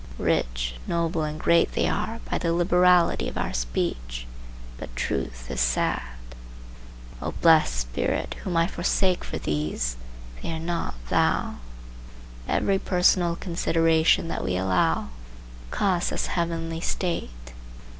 Rich, noble and great they are by the liberality of our speech, but truth is sad. O blessed Spirit, whom I forsake for these, they are not thou! Every personal consideration that we allow costs us heavenly state.